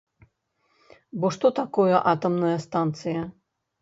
Бо што такое атамная станцыя?